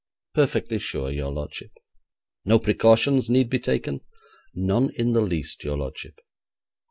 'Perfectly sure, your lordship.' 'No precautions need be taken?' 'None in the least, your lordship.'